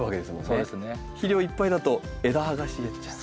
肥料いっぱいだと枝葉が茂っちゃう。